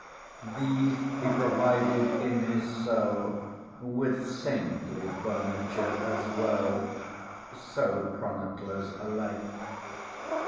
These he provided in his cell, With saintly furniture as well; So chroniclers allege.